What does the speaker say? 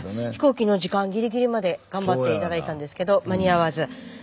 飛行機の時間ギリギリまで頑張って頂いたんですけど間に合わず。